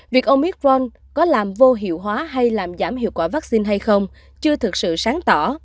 việc ông micront có làm vô hiệu hóa hay làm giảm hiệu quả vaccine hay không chưa thực sự sáng tỏ